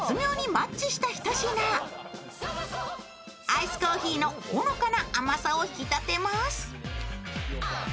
アイスコーヒーのほのかな甘さを引き立てます。